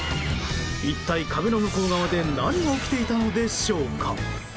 一体壁の向こう側で何が起きていたのでしょうか。